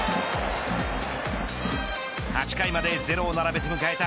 ８回までゼロを並べて迎えた